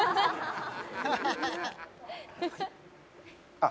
あっ